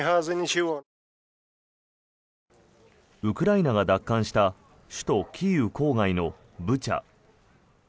ウクライナが奪還した首都キーウ郊外のブチャ。